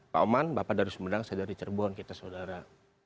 pak oman bapak dari sumedang saya dari cirebon kita saudara